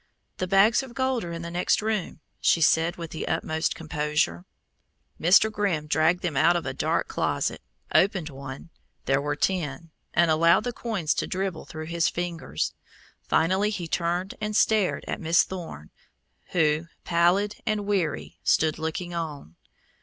"The bags of gold are in the next room," she said with the utmost composure. Mr. Grimm dragged them out of a dark closet, opened one there were ten and allowed the coins to dribble through his fingers. Finally he turned and stared at Miss Thorne, who, pallid and weary, stood looking on.